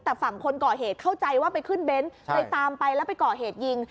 แต่ฝั่งคนก่อเหตุเข้าใจว่าไปขึ้นเน้นเลยตามไปแล้วไปก่อเหตุยิง